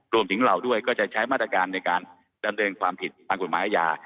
รวมถึงเราด้วยก็จะใช้มาตรการในการดำเนินความผิดทางกฎหมายอาญา